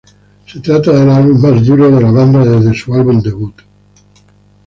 Se trata del álbum más duro de la banda desde su álbum debut.